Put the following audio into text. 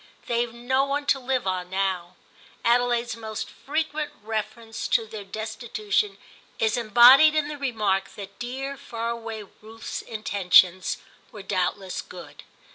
They've no one to live on now. Adelaide's most frequent reference to their destitution is embodied in the remark that dear far away Ruth's intentions were doubtless good.